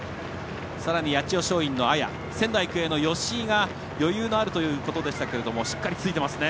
さらに八千代松陰の綾仙台育英の吉居が余裕があるということでしたがしっかりついていますね。